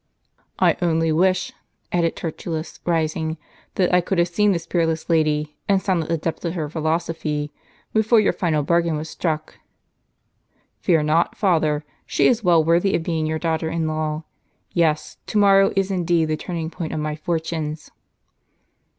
"I only wdsh," added Tertullus, rising, "that I could have seen this peerless lady, and sounded the depths of her phil osophy, before your final bargain was struck." "Fear not, father: she is well worthy of being your daughter in law. Yes, to morrow is indeed the turning point of my fortunes."